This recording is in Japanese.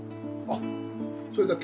あそれだけ？